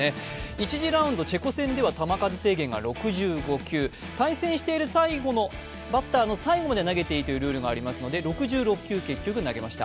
１次ラウンド・チェコ戦では球数制限が６５球、対戦している最後のバッターの最後まで投げていいルールがありますので６６球、結局、投げました。